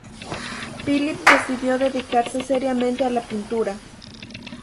Philip decidió dedicarse seriamente a la pintura.